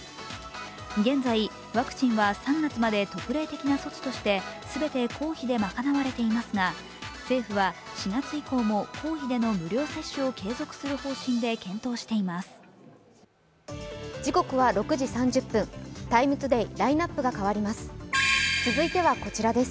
現在、ワクチンは３月まで特例的な措置として全て公費で賄われていますが、政府は４月以降も公費での無料接種を継続する方針で検討しています。